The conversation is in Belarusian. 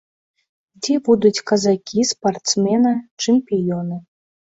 Дзе будуць казакі, спартсмены, чэмпіёны.